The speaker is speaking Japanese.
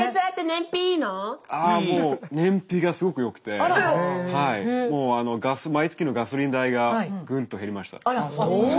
ああもう燃費がすごくよくて毎月のガソリン代がグンと減りました。